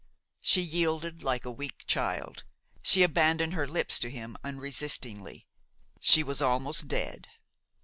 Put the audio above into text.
She yielded like a weak child; she abandoned her lips to him unresistingly. She was almost dead.